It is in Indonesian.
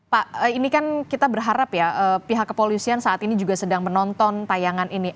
pak ini kan kita berharap ya pihak kepolisian saat ini juga sedang menonton tayangan ini